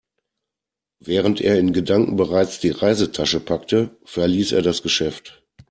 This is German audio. Während er in Gedanken bereits die Reisetasche packte, verließ er das Geschäft.